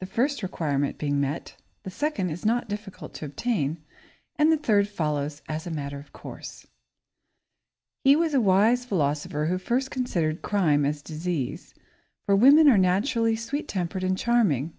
The first requirement being met, the second is not difficult to obtain, and the third follows as a matter of course. [Sidenote: Nagging] He was a wise philosopher who first considered crime as disease, for women are naturally sweet tempered and charming.